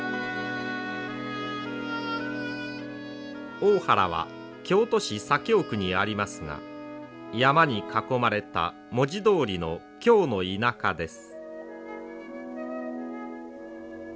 大原は京都市左京区にありますが山に囲まれた文字どおりの京の田舎です。